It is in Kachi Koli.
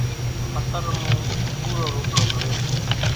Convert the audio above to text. ۿترمون پُورو روٽلو گھڙي سي